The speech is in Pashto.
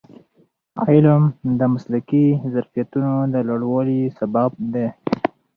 علم د مسلکي ظرفیتونو د لوړوالي سبب دی.